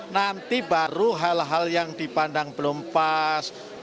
nanti baru hal hal yang dipandang belum pas